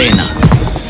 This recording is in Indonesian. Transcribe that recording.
berlutut di depannya